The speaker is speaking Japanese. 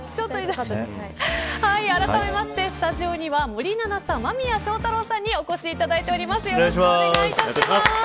あらためましてスタジオには森七菜さん、間宮祥太朗さんにお越しいただいております。